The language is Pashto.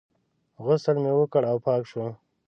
غسل مې وکړ او پاک شوم.